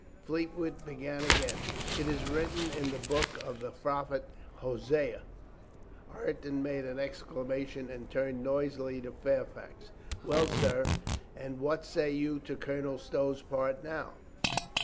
Fleetwood began again : "It is written in the book of the Prophet Hosea " Ireton made an exclamation and turned noisily to Fairfax: "Well, sir, and what say you to Colonel Stow's part now